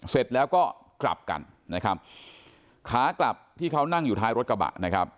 เสร็จแล้วก็กลับกันนะครับขากลับที่เขานั่งอยู่ท้ายรถกระบะนะครับ